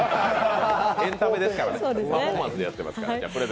エンタメですから、パフォーマンスやってますから。